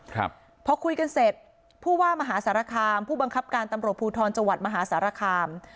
ครับพอคุยกันเสร็จผู้ว่ามหาสารคามผู้บังคับการตำรวจภูทรจังหวัดมหาสารคาม